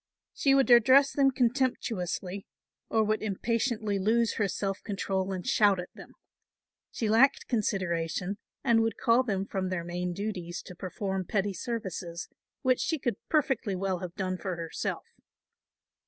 She would address them contemptuously, or would impatiently lose her self control and shout at them. She lacked consideration and would call them from their main duties to perform petty services, which she could perfectly well have done for herself.